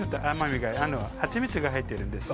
蜂蜜が入ってるんです。